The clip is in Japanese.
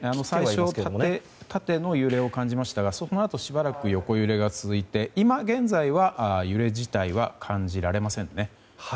最初、縦の揺れを感じましたがそのあとしばらく横揺れが続いて今現在は揺れ自体は感じられませんね。